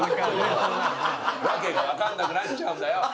訳がわかんなくなっちゃうんだよ！